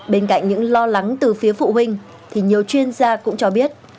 bên cạnh những lo lắng từ phía phụ huynh thì nhiều chuyên gia cũng cho biết